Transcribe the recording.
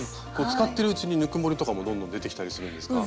使ってるうちにぬくもりとかもどんどん出てきたりするんですか？